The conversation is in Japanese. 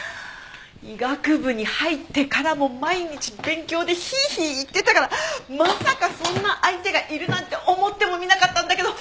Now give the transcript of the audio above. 医学部に入ってからも毎日勉強でひいひい言ってたからまさかそんな相手がいるなんて思ってもみなかったんだけど。